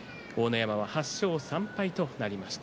山は８勝３敗となりました。